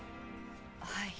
はい。